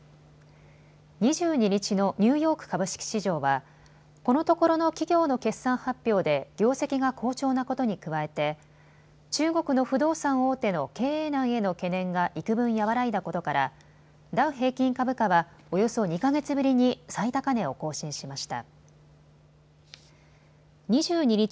２２日のニューヨーク株式市場はこのところの企業の決算発表で業績が好調なことに加えて中国の不動産大手の経営難への懸念がいくぶん和らいだことからダウ平均株価はおよそ２か月ぶりに最高値を更新しました。